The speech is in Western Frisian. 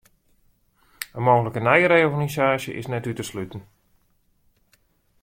In mooglike nije reorganisaasje is net út te sluten.